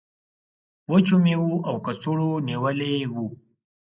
وچو میوو او کڅوړو نیولی و.